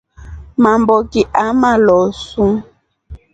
Mamboki aamaloosu.